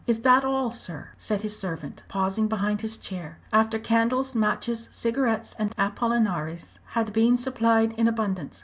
"Is that all, sir," said his servant, pausing behind his chair, after candles, matches, cigarettes, and Apollinaris had been supplied in abundance.